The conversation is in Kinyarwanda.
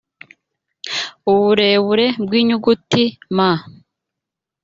uburebure bw inyuguti mm